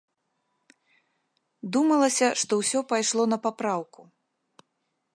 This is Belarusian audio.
Думалася, што ўсё пайшло на папраўку.